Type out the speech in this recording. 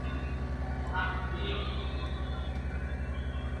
چي خالق یو پیدا کړي پر کهاله د انسانانو ..